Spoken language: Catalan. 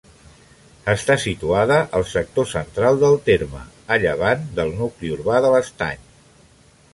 Està situada al sector central del terme, a llevant del nucli urbà de l'Estany.